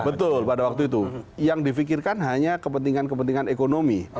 betul pada waktu itu yang difikirkan hanya kepentingan kepentingan ekonomi